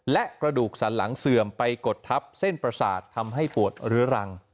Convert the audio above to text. และกระดูกสันหลังเสื่อมไปกดทับเส้นประสาททำให้ปวดเรื้อรัง